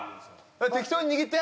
適当に握って！